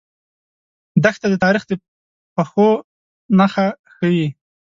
دښته د تاریخ د پښو نخښه لري.